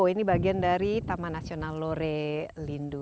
ini bagian dari taman nasional lore lindu